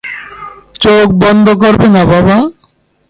চোখ বন্ধ করবে না, বাবা!